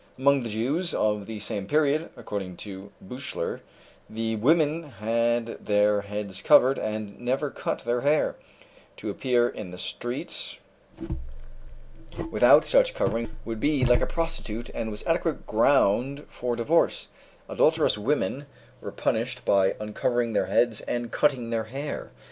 Among the Jews of the same period, according to Büchler, the women had their heads covered and never cut their hair; to appear in the streets without such covering would be like a prostitute and was adequate ground for divorce; adulterous women were punished by uncovering their heads and cutting their hair.